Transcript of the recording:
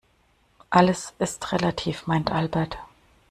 Alles ist relativ, meint Albert.